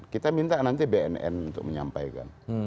kita minta nanti bnn untuk menyampaikan